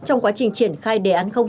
trong quá trình triển khai đề án sáu